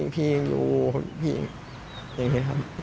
พี่ยังอยู่พี่อย่างนี้ครับ